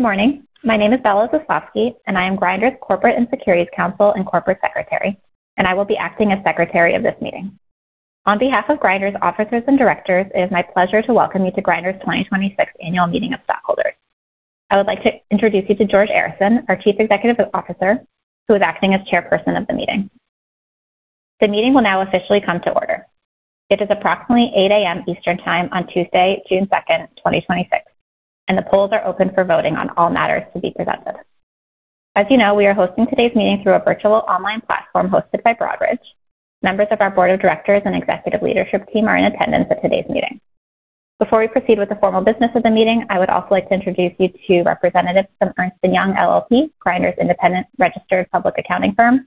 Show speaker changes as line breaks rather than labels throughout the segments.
Good morning. My name is Bella Zaslavsky, I am Grindr's Corporate and Securities Counsel and Corporate Secretary, I will be acting as secretary of this meeting. On behalf of Grindr's officers and directors, it is my pleasure to welcome you to Grindr's 2026 annual meeting of stockholders. I would like to introduce you to George Arison, our Chief Executive Officer, who is acting as Chairperson of the meeting. The meeting will now officially come to order. It is approximately 8:00 A.M. Eastern Time on Tuesday, June 2, 2026, the polls are open for voting on all matters to be presented. As you know, we are hosting today's meeting through a virtual online platform hosted by Broadridge. Members of our Board of Directors and Executive Leadership Team are in attendance at today's meeting. Before we proceed with the formal business of the meeting, I would also like to introduce you to representatives from Ernst & Young LLP, Grindr's independent registered public accounting firm,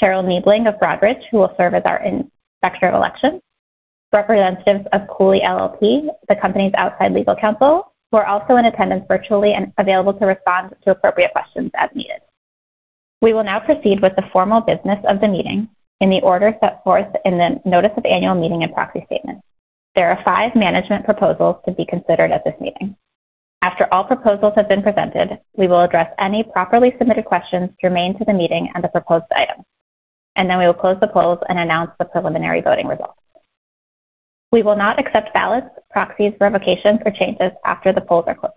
Cheryl Niebeling of Broadridge, who will serve as our Inspector of Elections, representatives of Cooley LLP, the company's outside legal counsel, who are also in attendance virtually and available to respond to appropriate questions as needed. We will now proceed with the formal business of the meeting in the order set forth in the notice of annual meeting and proxy statement. There are five management proposals to be considered at this meeting. After all proposals have been presented, we will address any properly submitted questions germane to the meeting and the proposed items, and then we will close the polls and announce the preliminary voting results. We will not accept ballots, proxies, revocations, or changes after the polls are closed.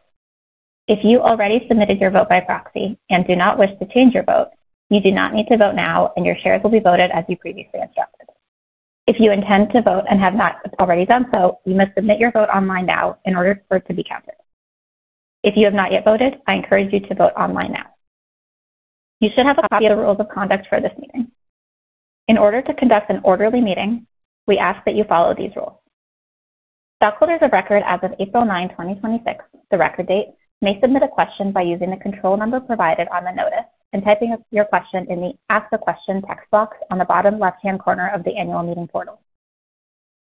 If you already submitted your vote by proxy and do not wish to change your vote, you do not need to vote now, and your shares will be voted as you previously instructed. If you intend to vote and have not already done so, you must submit your vote online now in order for it to be counted. If you have not yet voted, I encourage you to vote online now. You should have a copy of the rules of conduct for this meeting. In order to conduct an orderly meeting, we ask that you follow these rules. Stockholders of record as of April 9, 2026, the record date, may submit a question by using the control number provided on the notice and typing your question in the Ask a Question text box on the bottom left-hand corner of the annual meeting portal.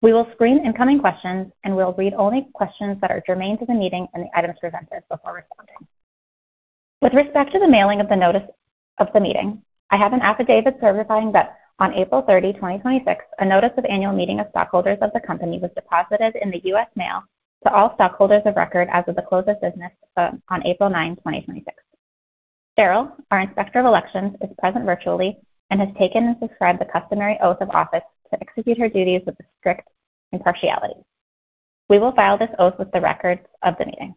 We will screen incoming questions, and we will read only questions that are germane to the meeting and the items presented before responding. With respect to the mailing of the notice of the meeting, I have an affidavit certifying that on April 30, 2026, a notice of annual meeting of stockholders of the company was deposited in the U.S. mail to all stockholders of record as of the close of business on April 9, 2026. Cheryl, our Inspector of Elections, is present virtually and has taken and subscribed the customary oath of office to execute her duties with strict impartiality. We will file this oath with the records of the meeting.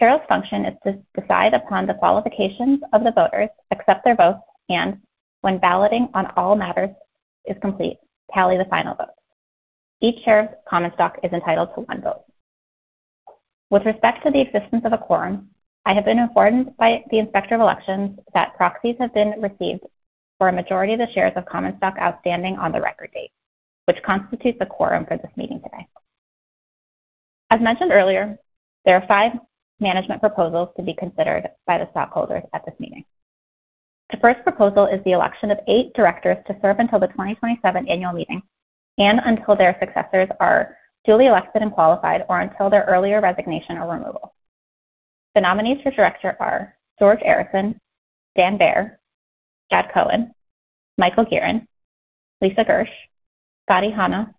Cheryl's function is to decide upon the qualifications of the voters, accept their votes, and when balloting on all matters is complete, tally the final vote. Each share of common stock is entitled to one vote. With respect to the existence of a quorum, I have been informed by the Inspector of Elections that proxies have been received for a majority of the shares of common stock outstanding on the record date, which constitutes a quorum for this meeting today. As mentioned earlier, there are five management proposals to be considered by the stockholders at this meeting. The first proposal is the election of eight directors to serve until the 2027 annual meeting and until their successors are duly elected and qualified or until their earlier resignation or removal. The nominees for director are George Arison, Dan Baer, Chad Cohen, Michael Gearon, Lisa Gersh, Fadi Hanna,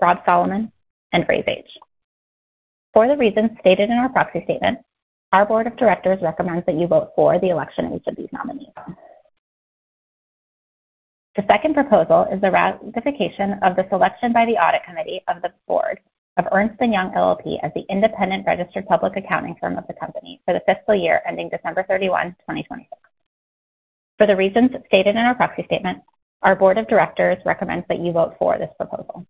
Rob Solomon, and Ray Zage. For the reasons stated in our proxy statement, our Board of Directors recommends that you vote for the election of each of these nominees. The second proposal is the ratification of the selection by the Audit Committee of the Board of Ernst & Young LLP as the independent registered public accounting firm of the company for the fiscal year ending December 31, 2026. For the reasons stated in our proxy statement, our Board of Directors recommends that you vote for this proposal.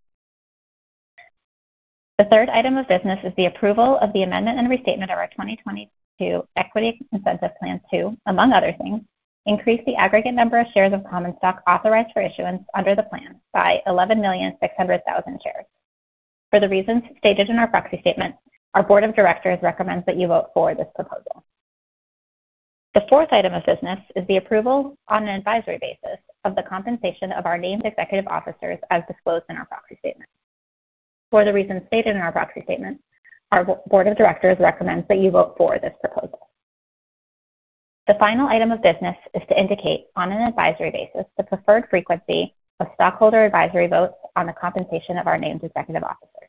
The third item of business is the approval of the amendment and restatement of our 2022 Equity Incentive Plan to, among other things, increase the aggregate number of shares of common stock authorized for issuance under the plan by 11,600,000 shares. For the reasons stated in our proxy statement, our Board of Directors recommends that you vote for this proposal. The fourth item of business is the approval on an advisory basis of the compensation of our named executive officers as disclosed in our proxy statement. For the reasons stated in our proxy statement, our Board of Directors recommends that you vote for this proposal. The final item of business is to indicate, on an advisory basis, the preferred frequency of stockholder advisory votes on the compensation of our named executive officers.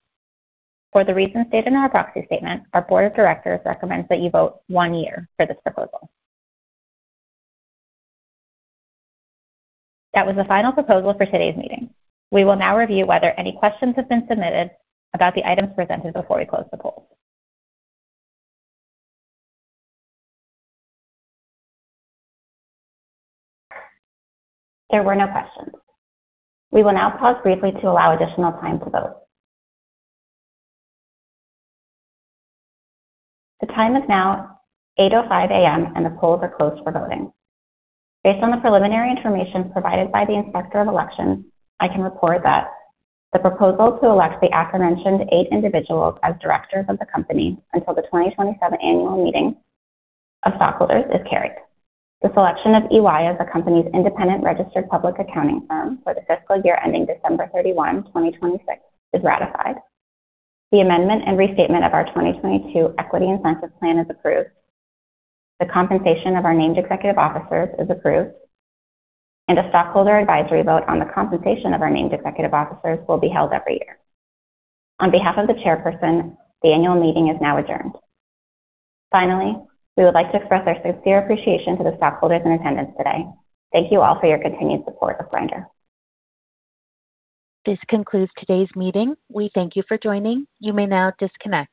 For the reasons stated in our proxy statement, our Board of Directors recommends that you vote one year for this proposal. That was the final proposal for today's meeting. We will now review whether any questions have been submitted about the items presented before we close the polls. There were no questions. We will now pause briefly to allow additional time to vote. The time is now 8:05 A.M., and the polls are closed for voting. Based on the preliminary information provided by the Inspector of Elections, I can report that the proposal to elect the aforementioned eight individuals as directors of the company until the 2027 annual meeting of stockholders is carried. The selection of EY as the company's independent registered public accounting firm for the fiscal year ending December 31, 2026 is ratified. The amendment and restatement of our 2022 Equity Incentive Plan is approved. The compensation of our named executive officers is approved, and a stockholder advisory vote on the compensation of our named executive officers will be held every year. On behalf of the Chairperson, the annual meeting is now adjourned. Finally, we would like to express our sincere appreciation to the stockholders in attendance today. Thank you all for your continued support of Grindr.
This concludes today's meeting. We thank you for joining. You may now disconnect.